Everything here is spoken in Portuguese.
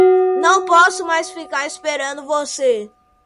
Não posso mais ficar esperando você.